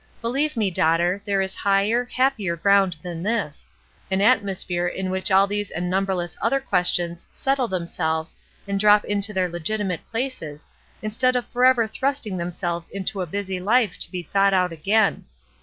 Believe me, daughter, there is higher, happier ground than this — an atmosphere in which all these and num berless other questions settle themselves and drop into their legitimate places, instead of for ever thrusting themselves into a busy life to be thought out again.